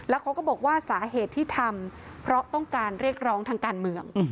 เขาก็บอกว่าสาเหตุที่ทำเพราะต้องการเรียกร้องทางการเมือง